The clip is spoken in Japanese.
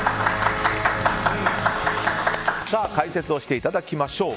解説をしていただきましょう。